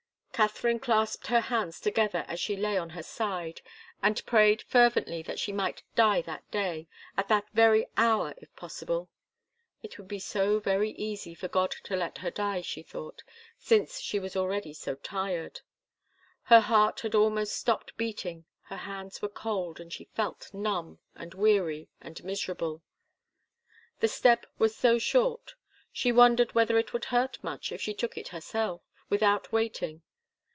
Katharine clasped her hands together, as she lay on her side, and prayed fervently that she might die that day at that very hour, if possible. It would be so very easy for God to let her die, she thought, since she was already so tired. Her heart had almost stopped beating, her hands were cold, and she felt numb, and weary, and miserable. The step was so short. She wondered whether it would hurt much if she took it herself, without waiting.